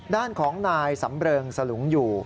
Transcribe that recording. ด้านของนายสำเริงสลุงอยู่